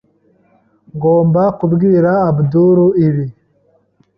Ngomba kubwira Abdul ibi.